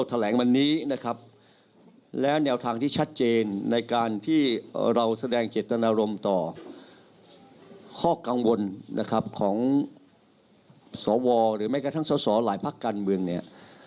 ภักดิ์เพื่อไทยก็รอจนถึงเที่ยงคืนโดยโทรศัพท์แจ้งอีก๖ภักดิ์ร่วมแล้ว